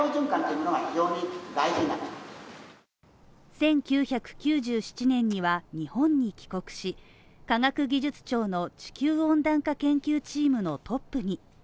１９９７年には日本に帰国し、科学技術庁の地球温暖化研究チームのトップに。